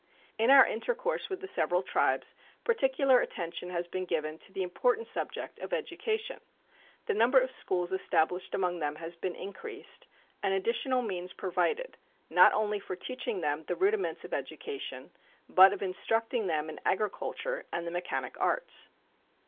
In our intercourse with the several tribes particular attention has been given to the important subject of education. The number of schools established among them has been increased, and additional means provided not only for teaching them the rudiments of education, but of instructing them in agriculture and the mechanic arts.